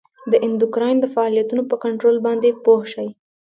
د اندوکراین د فعالیتونو په کنترول باندې پوه شئ.